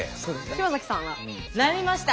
島崎さんは？悩みました。